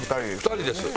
２人です。